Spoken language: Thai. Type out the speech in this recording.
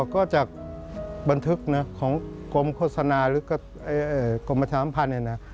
ก็จากบันทึกของกรมโฆษณาหรือกรมประชาสัมพันธ์